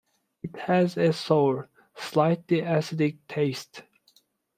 It has a sour, slightly acidic taste.